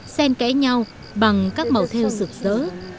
xen kẽ nhau bằng các màu theo rực rỡ